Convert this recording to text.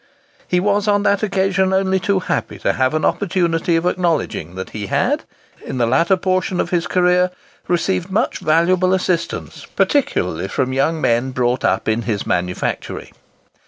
He was, on that occasion, only too happy to have an opportunity of acknowledging that he had, in the latter portion of his career, received much most valuable assistance, particularly from young men brought up in his manufactory.